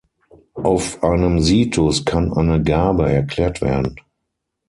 Auf einem Situs kann eine Garbe erklärt werden.